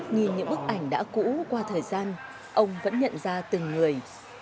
nhìn những bức ảnh đã cũ qua thời gian ông vẫn nhận ra từng người